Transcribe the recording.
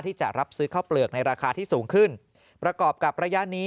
ที่จะรับซื้อข้าวเปลือกในราคาที่สูงขึ้นประกอบกับระยะนี้